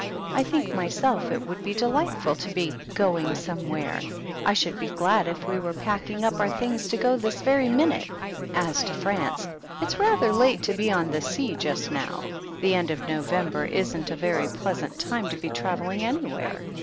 I think myself it would be de lightfiil to be Agoing somewhere;^ I should be glad if we were packing up our things to go there this very minute. As to France, it's 12 PEGGY THE PIG. rather late to be on the sea just now; the end of November isn't a very pleasant time to be travelling anywhere.